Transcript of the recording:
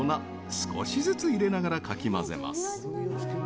少しずつ入れながらかき混ぜます。